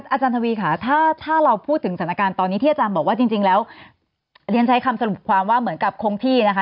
อาจารย์ทวีค่ะถ้าเราพูดถึงสถานการณ์ตอนนี้ที่อาจารย์บอกว่าจริงแล้วเรียนใช้คำสรุปความว่าเหมือนกับคงที่นะคะ